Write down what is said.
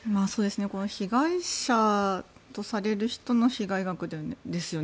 被害者とされる人の被害額ですよね。